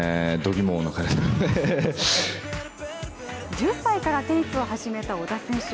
１０歳からテニスを始めた小田選手。